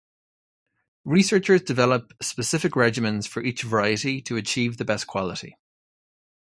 Researchers develop specific regimens for each variety to achieve the best quality.